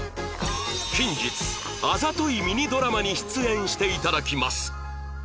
近日あざといミニドラマに出演して頂きます